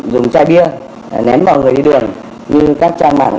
dùng chai bia ném vào người đi đường như các trang mạng